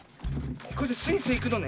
これでスイスイいくのね。